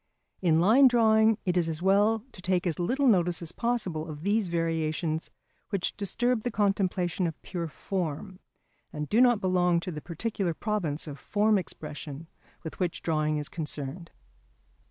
In line drawing it is as well to take as little notice as possible of these variations which disturb the contemplation of pure form and do not belong to the particular province of form expression with which drawing is concerned.